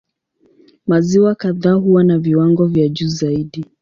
Maziwa kadhaa huwa na viwango vya juu zaidi.